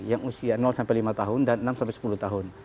yang usia lima tahun dan enam sepuluh tahun